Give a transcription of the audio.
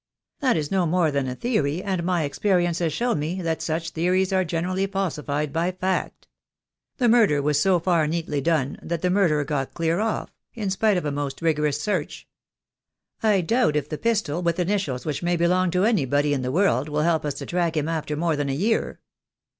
"That is no more than a theory, and my experience has shown me that such theories are generally falsified by fact. The murder was so far neatly done that the murderer got clear off, in spite of a most rigorous search. I doubt if the pistol, with initials which may belong to anybody in the world, will help us to track him after more than a year."